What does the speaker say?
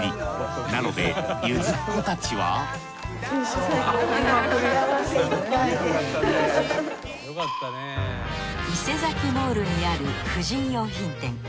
なのでゆずっ子たちはイセザキ・モールにある婦人洋品店。